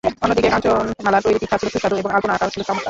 অন্যদিকে কাঞ্চনমালার তৈরি পিঠা ছিল সুস্বাদু এবং আলপনা আঁকাও ছিল চমৎকার।